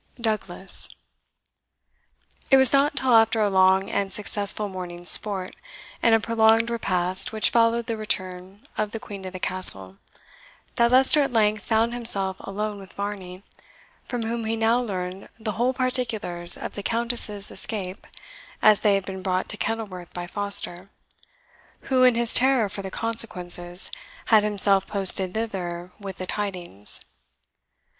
DOUGLAS. It was not till after a long and successful morning's sport, and a prolonged repast which followed the return of the Queen to the Castle, that Leicester at length found himself alone with Varney, from whom he now learned the whole particulars of the Countess's escape, as they had been brought to Kenilworth by Foster, who, in his terror for the consequences, had himself posted thither with the tidings.